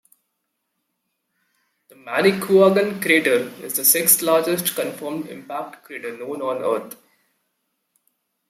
The Manicouagan crater is the sixth-largest confirmed impact crater known on earth.